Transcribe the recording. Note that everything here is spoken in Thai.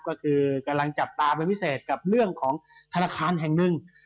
ก็คือกำลังจับตาเป็นพิเศษกับเรื่องของธนาคารแห่งหนึ่ง